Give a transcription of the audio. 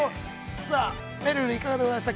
さあ、めるるいかがでございましたか。